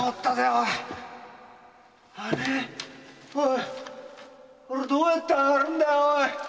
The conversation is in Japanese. おいこれどうやって上がるんだよ。